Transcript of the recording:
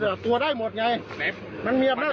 คุณเพื่อนถามหาบัตรปราสอบ